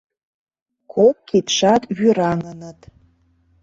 Кок кидшат вӱраҥыныт...